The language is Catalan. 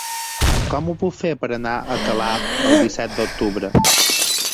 Com ho puc fer per anar a Calaf el disset d'octubre?